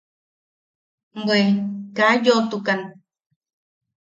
–Bwe... kaa yoʼotukan.